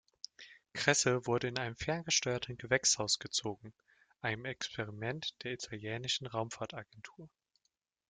Kresse wurde in einem ferngesteuerten Gewächshaus gezogen, einem Experiment der italienischen Raumfahrtagentur.